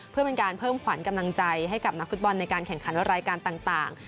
เพื่อเป็นการเพิ่มขวัญกำลังใจให้กับนักฟุตบอลในการแข่งขันรายการต่าง